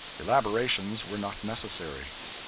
Elaborations were not necessary.